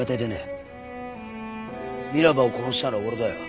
稲葉を殺したのは俺だよ。